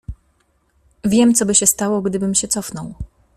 "Wiem, coby się stało, gdybym się cofnął."